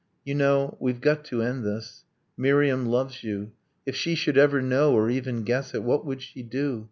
'You know we've got to end this Miriam loves you ... If she should ever know, or even guess it, What would she do?